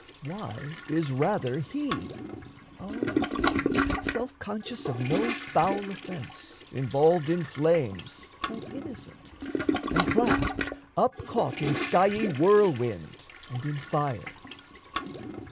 why is rather he O he self conscious of no foul offence Involved in flames, though innocent, and clasped Up caught in skiey whirlwind and in fire?